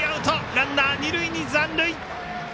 ランナー二塁に残塁。